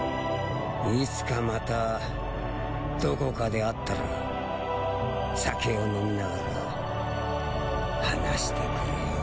いつかまたどこかで会ったら酒を飲みながら話してくれよ。